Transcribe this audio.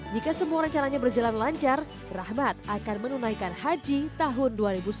jika semua rencananya berjalan lancar rahmat akan menunaikan haji tahun dua ribu sembilan belas